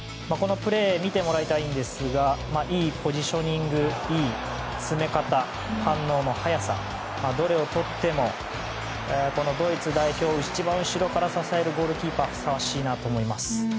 プレーを見てもらいたいんですがいいポジショニングいい詰め方反応の速さ、どれをとってもこのドイツ代表を一番後ろから支えるゴールキーパーにふさわしいなと思います。